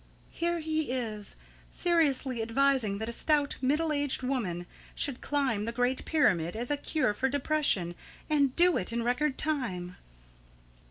Here he is, seriously advising that a stout, middle aged woman should climb the Great Pyramid as a cure for depression, and do it in record time!"